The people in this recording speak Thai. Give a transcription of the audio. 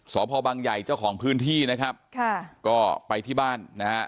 สพบังใหญ่เจ้าของพื้นที่นะครับค่ะก็ไปที่บ้านนะฮะ